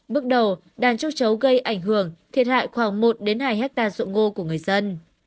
bước đầu đàn châu chấu gây ảnh hưởng thiệt hại khoảng một hai hectare ruộng ngô của người dân